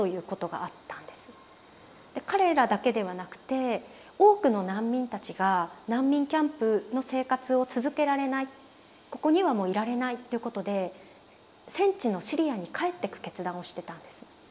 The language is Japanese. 彼らだけではなくて多くの難民たちが難民キャンプの生活を続けられないここにはもういられないということで戦地のシリアに帰っていく決断をしてたんです。